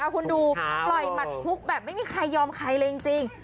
คุณดูปล่อยหมัดคุกแบบไม่มีใครยอมใครเลยจริง